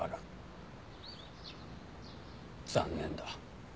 残念だ。